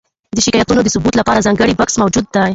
د شکایتونو د ثبت لپاره ځانګړی بکس موجود دی.